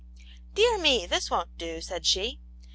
" Dear me, this won't do," said she.